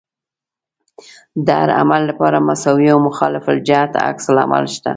د هر عمل لپاره مساوي او مخالف الجهت عکس العمل شته.